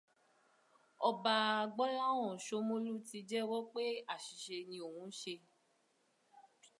Ọba Gbọ́láhàn Shómólú ti jẹ́wọ́ pé àṣìṣe ni òun ṣe.